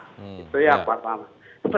itu yang pertama